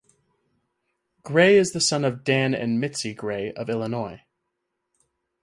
Gray is the son of Dan and Mitzi Gray of Illinois.